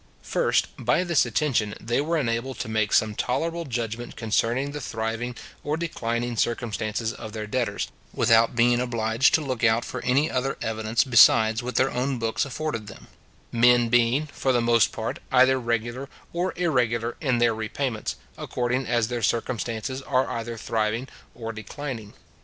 First, by this attention they were enabled to make some tolerable judgment concerning the thriving or declining circumstances of their debtors, without being obliged to look out for any other evidence besides what their own books afforded them; men being, for the most part, either regular or irregular in their repayments, according as their circumstances are either thriving or declining.